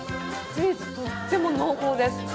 チーズ、とっても濃厚です。